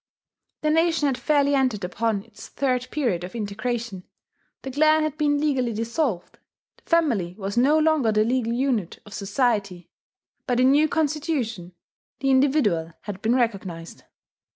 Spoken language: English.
The nation had fairly entered upon its third period of integration. The clan had been legally dissolved; the family was no longer the legal unit of society: by the new constitution the individual had been recognized.